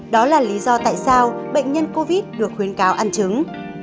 đó là lý do tại sao bệnh nhân covid được khuyến cáo ăn trứng